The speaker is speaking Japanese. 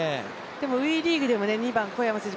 でも、ＷＥリーグでも小山選手